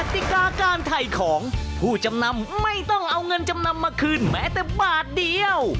ติกาการถ่ายของผู้จำนำไม่ต้องเอาเงินจำนำมาคืนแม้แต่บาทเดียว